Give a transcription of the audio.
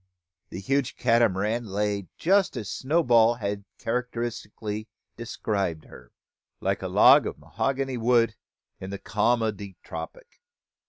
The huge Catamaran lay just as Snowball had characteristically described her, "like a log o' 'hogany wood in a calm ob de tropic."